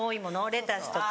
レタスとか。